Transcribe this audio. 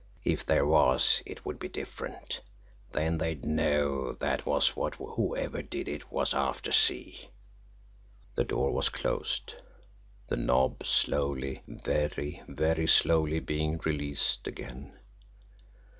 If there was, it would be different then they'd know that was what whoever did it was after, see?" The door was closed the knob slowly, very, very slowly being released again.